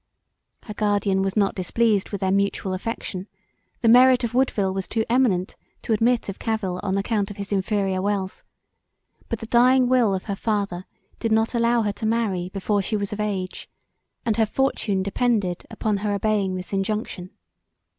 Her guardian was not displeased with their mutual affection: the merit of Woodville was too eminent to admit of cavil on account of his inferior wealth; but the dying will of her father did not allow her to marry before she was of age and her fortune depended upon her obeying this injunction.